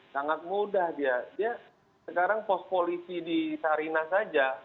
sangat mudah dia dia sekarang pos polisi di sarinah saja